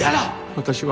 私は。